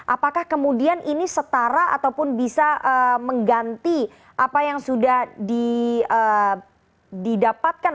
apakah kemudian ini setara ataupun bisa mengganti apa yang sudah didapatkan